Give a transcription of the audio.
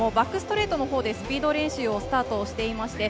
つい先程から山縣選手もバックストレートのほうでスピード練習をスタートしています。